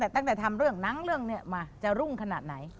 แต่ตั้งแต่ทำเรื่องหนังเรื่องนี้มาจะรุ่งขนาดไหน